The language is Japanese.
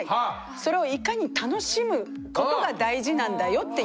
それをいかに楽しむことが大事なんだよっていう。